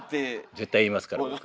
絶対言いますから僕はい。